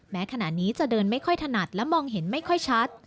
แม้ขณะนี้จะเดินไม่ค่อยถนัดและมองเห็นไม่ค่อยชัด